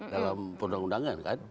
dalam perundangan undangan kan